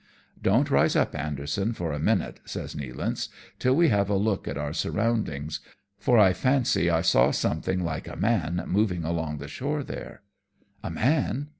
" Don't rise up, Anderson, for a minute," says Nea lance, " till we have a look at our surroundings, for I fancy I saw something like a man moving along the shore there." "A man!